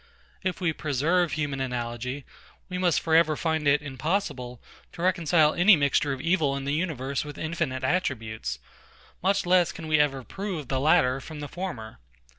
If we preserve human analogy, we must for ever find it impossible to reconcile any mixture of evil in the universe with infinite attributes; much less can we ever prove the latter from the former.